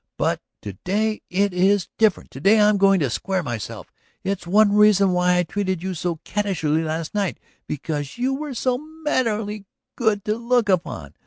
But to day it is different; to day I am going to square myself. That's one reason why I treated you so cattishly last night; because you were so maddeningly good to look upon.